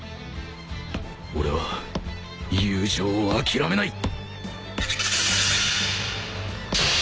俺は遊女を諦めない！